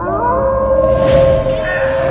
พร้อม